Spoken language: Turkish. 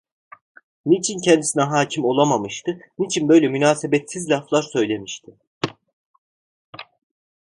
Niçin kendisine hakim olamamıştı, niçin böyle münasebetsiz laflar söylemişti?